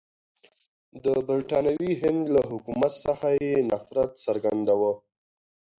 د برټانوي هند له حکومت څخه یې نفرت څرګندوه.